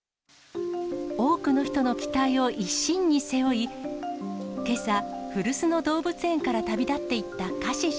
多くの人の期待を一身に背負い、けさ、古巣の動物園から旅立っていったカシシ。